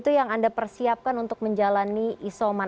itu yang anda persiapkan untuk menjalani isoman